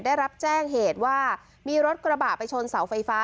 ได้รับแจ้งเหตุว่ามีรถกระบะไปชนเสาไฟฟ้า